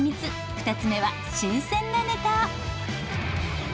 ２つ目は新鮮なネタ。